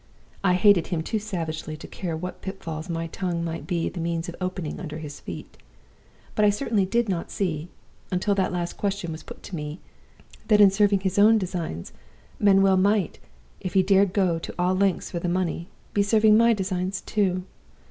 I hated him too savagely to care what pitfalls my tongue might be the means of opening under his feet. But I certainly did not see (until that last question was put to me) that, in serving his own designs, Manuel might if he dared go all lengths for the money be serving my designs too.